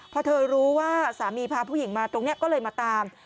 พอเธอรู้ว่าสามีพาผู้หญิงมาตรงนี้ก็เลยมาตาม